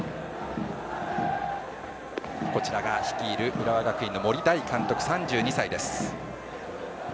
こちらが率いる浦和学院の森大監督、３２歳です。